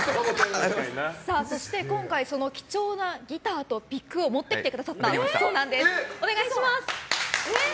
今回その貴重なギターとピックを持ってきてくださったそうなんです。